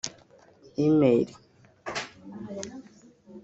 email